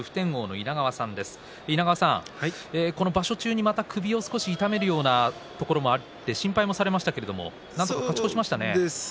稲川さん、場所中にまた首を少し痛めるようなところがあって心配もされましたが勝ち越しましたね。